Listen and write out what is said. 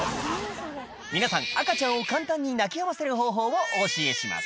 「皆さん赤ちゃんを簡単に泣きやませる方法をお教えします」